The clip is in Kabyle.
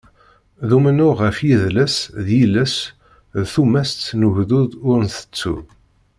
D umennuɣ ɣef yidles d yiles d tumast n ugdud ur ntettu.